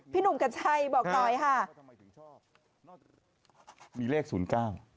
พี่หนุ่มกัญชัยบอกต่อยค่ะมีเลขศูนย์เก้า